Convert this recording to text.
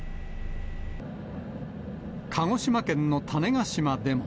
鹿児島県の種子島でも。